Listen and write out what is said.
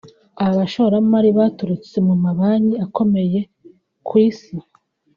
Aba bashoramari baturutse mu mabanki akomeye ku isi